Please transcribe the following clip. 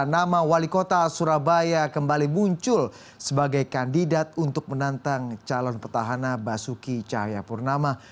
nama wali kota surabaya kembali muncul sebagai kandidat untuk menantang calon petahana basuki cahayapurnama